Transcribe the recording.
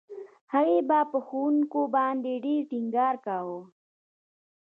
هغې به په ښوونکو باندې ډېر ټينګار کاوه.